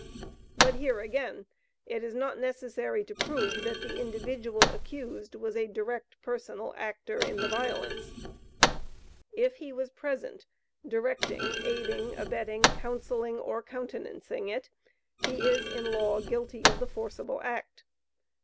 But here again, it is not necessary to prove that the individual accused was a direct, personal actor in the violence. If he was present, directing, aiding, abetting, counselling, or countenancing it, he is in law guilty of the forcible act.